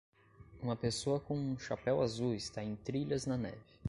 Uma pessoa com um chapéu azul está em trilhas na neve.